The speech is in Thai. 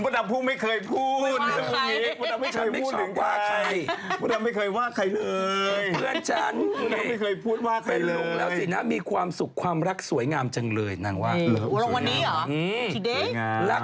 ลงแล้วสินะมีความสุขความรักสวยงามจังเลยนางว่า